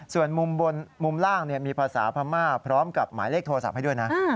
ส่วนมุมล่างมีภาษาพม่าพร้อมกับหมายเลขโทรศัพท์ให้ด้วยนะ